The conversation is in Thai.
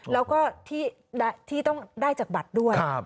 แล้วก็ที่ต้องได้จากบัตรด้วย